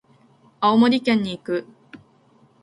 青森県に行く。